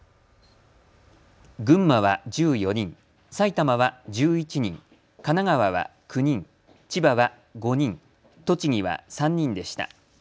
群馬は１４人、埼玉は１１人、神奈川は９人、千葉は５人、栃木は３人でした。